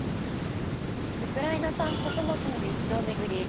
ウクライナ産穀物を巡り